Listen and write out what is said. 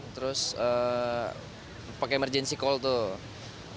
terus pakai emergency call tuh